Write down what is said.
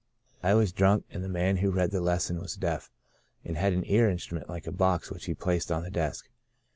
I was drunk, and the man who read the lesson was deaf, and had an ear instrument like a box, which he placed on the desk.